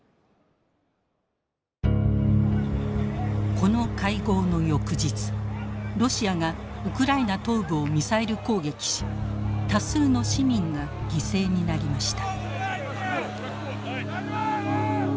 この会合の翌日ロシアがウクライナ東部をミサイル攻撃し多数の市民が犠牲になりました。